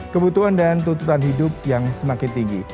kebutuhan dan tuntutan hidup yang semakin tinggi